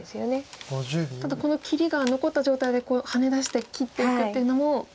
ただこの切りが残った状態でハネ出して切っていくってっていうのもまた。